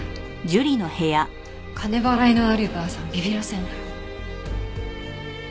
金払いの悪いばあさんビビらせるのよ。